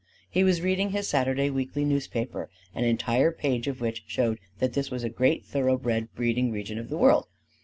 He was reading his Saturday weekly newspaper, an entire page of which showed that this was a great thoroughbred breeding region of the world.